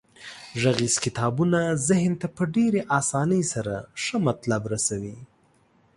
غږیز کتابونه ذهن ته په ډیرې اسانۍ سره ښه مطلب رسوي.